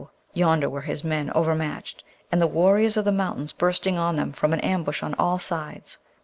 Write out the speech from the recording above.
yonder were his men overmatched, and warriors of the mountains bursting on them from an ambush on all sides.